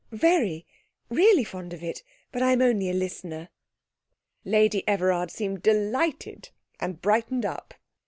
'Very. Really fond of it; but I'm only a listener.' Lady Everard seemed delighted and brightened up.